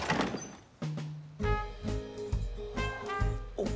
おっ。